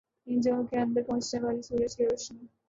ان جگہوں کے اندر پہنچنے والی سورج کی روشنی